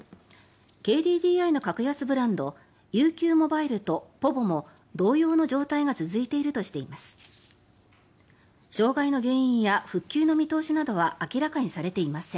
ＫＤＤＩの格安ブランドＵＱモバイルとｐｏｖｏも同様の状態が続いているとしています。